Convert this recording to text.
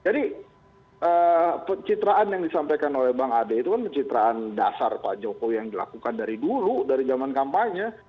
jadi pencitraan yang disampaikan oleh bang ade itu kan pencitraan dasar pak jokowi yang dilakukan dari dulu dari zaman kampanye